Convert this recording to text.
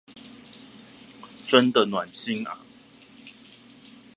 真的暖心啊